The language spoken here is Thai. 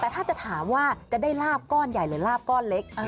แต่ถ้าจะถามว่าจะได้ลาบก้อนใหญ่หรือลาบก้อนเล็ก